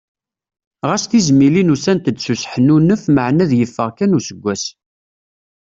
Ɣas tizmilin ussant-d s useḥnunef maɛna ad yeffeɣ kan useggas.